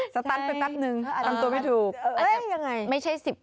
สตันต์เป็นตัดหนึ่งทำตัวไม่ถูก